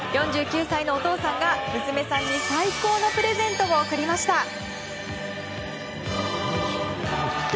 ４９歳のお父さんが娘さんに最高のプレゼントを贈りました。